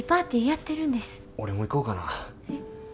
俺も行こうかな。